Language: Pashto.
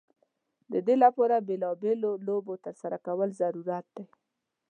د دې لپاره بیلا بېلو لوبو ترسره کول ضرورت دی.